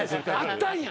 あったんや。